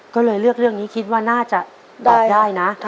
ก็เลยเลือกเรื่องนี้คิดว่าน่าจะตอบได้นะ